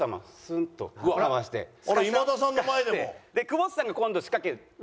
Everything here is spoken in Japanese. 久保田さんが今度仕掛ける。